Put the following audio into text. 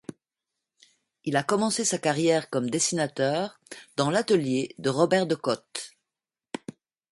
Il a commencé sa carrière comme dessinateur dans l'atelier de Robert de Cotte.